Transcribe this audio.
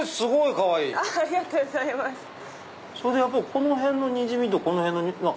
この辺のにじみとこの辺のにじみ。